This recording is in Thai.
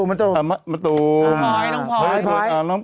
เป็นแค่ดารากรหลอกนะ